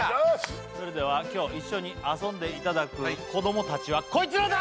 それでは今日一緒に遊んでいただく子供達はこいつらだ！